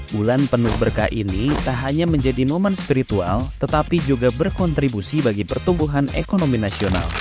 bulan penuh berkah ini tak hanya menjadi momen spiritual tetapi juga berkontribusi bagi pertumbuhan ekonomi nasional